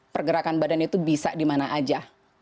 pergerakan badan itu bisa di mana saja